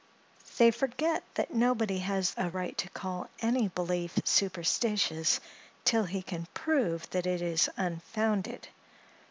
They forget that nobody has a right to call any belief superstitious, till he can prove that it is unfounded.